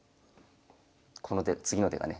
この手次の手がね。